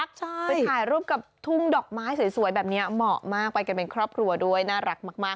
ไปถ่ายรูปกับทุ่งดอกไม้สวยแบบนี้เหมาะมากไปกันเป็นครอบครัวด้วยน่ารักมาก